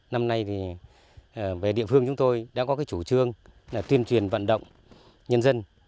năm nay thì về địa phương chúng tôi đã có chủ trương tuyên truyền vận động nhân dân